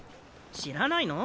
知らないの？